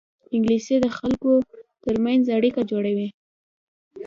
انګلیسي د خلکو ترمنځ اړیکه جوړوي